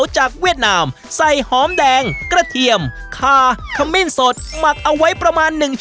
ใช่ค่ะแล้วก็จุ่มแล้วก็ทานเลย